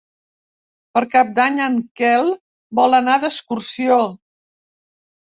Per Cap d'Any en Quel vol anar d'excursió.